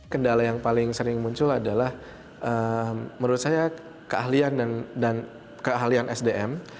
kendala yang paling sering muncul adalah menurut saya keahlian sdm